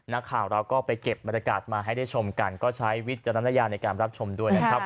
นักข่าวเราก็ไปเก็บบรรยากาศมาให้ได้ชมกันก็ใช้วิจารณญาณในการรับชมด้วยนะครับ